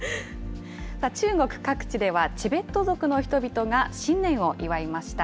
さあ、中国各地では、チベット族の人々が新年を祝いました。